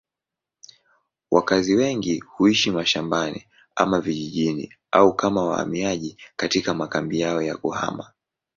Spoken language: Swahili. Wakazi wengi huishi mashambani ama vijijini au kama wahamiaji katika makambi yao ya kuhama.